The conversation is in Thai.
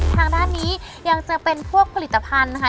ทางด้านนี้ยังจะเป็นพวกผลิตภัณฑ์นะคะ